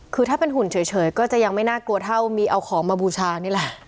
คือถ้าเป็นหุ่นเฉยก็จะยังไม่น่ากลัวเท่ามีเอาของมาบูชานี่แหละ